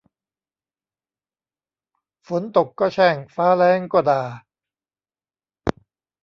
ฝนตกก็แช่งฟ้าแล้งก็ด่า